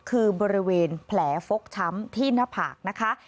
คือบริเวณแผลฟกช้ำที่หน้าผากนะคะ